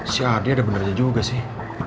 si ardi ada beneran aja juga sih